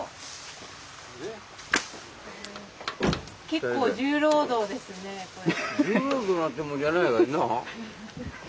結構重労働ですねこれ。